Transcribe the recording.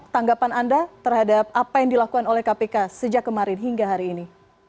tanggapan anda terhadap apa yang dilakukan oleh kpk sejak kemarin hingga hari ini